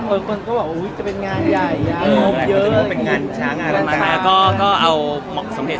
ความคลุกก็จะมีปัญหา